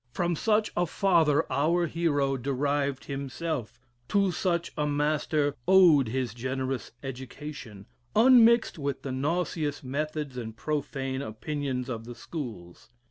From such a father our hero derived him self; to such a master owed his generous education, unmixed with the nauseous methods and profane opinions of the schools.